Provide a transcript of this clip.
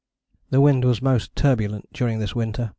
The wind was most turbulent during this winter.